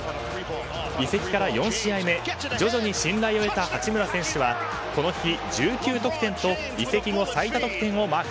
移籍から４試合目徐々に信頼を得た八村選手はこの日１９得点と移籍後最多得点をマーク。